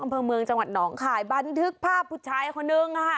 อำเภอเมืองจังหวัดหนองคายบันทึกภาพผู้ชายคนนึงค่ะ